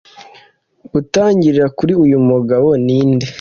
gutangirira kuri uriya mugabo ninde